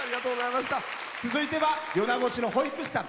続いては米子市の保育士さん。